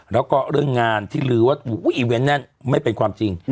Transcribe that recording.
แล้วก็เรื่องงานที่ลือว่าอีเวนต์แน่นไม่เป็นความจริง